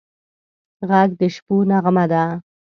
غږ د شپو نغمه ده